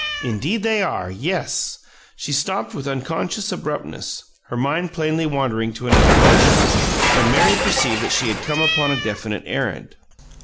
Indeed they are! Yes " She stopped with unconscious abruptness, her mind plainly wandering to another matter; and Mary perceived that she had come upon a definite errand.